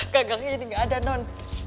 gagangnya jadi gak ada non